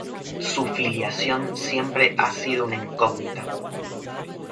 Su filiación siempre ha sido una incógnita.